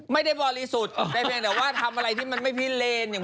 ไม่ได้บริสุทธิ์แต่ใช่นะว่าทำอะไรที่ไม่เลน